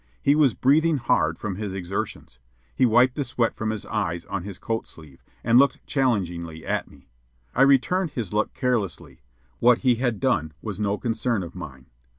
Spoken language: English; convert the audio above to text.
He was breathing hard from his exertions. He wiped the sweat from his eyes on his coat sleeve, and looked challengingly at me. I returned his look carelessly; what he had done was no concern of mine.